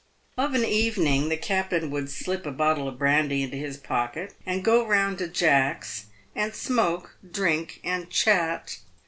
Of an evening the captain would slip a bottle of brandy into his pocket and go round to Jack's, and smoke, drink, and chat.